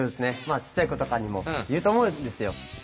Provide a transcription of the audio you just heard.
まあちっちゃい子とかにも言うと思うんですよ。